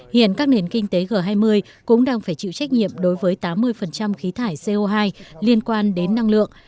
hiện các nền kinh tế g hai mươi cũng đang phải chịu trách nhiệm đối với tám mươi khí thải co hai liên quan đến năng lượng